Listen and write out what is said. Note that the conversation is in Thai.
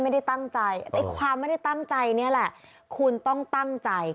ไม่ได้ตั้งใจไอ้ความไม่ได้ตั้งใจเนี่ยแหละคุณต้องตั้งใจ